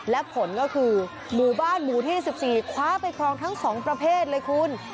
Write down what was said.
และผลก็คือหมู่บ้านหมู่ที่๑๔คว้าไปครองทั้ง๒ประเภทเลยคุณ